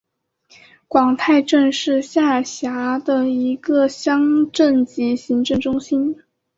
广太镇是下辖的一个乡镇级行政单位。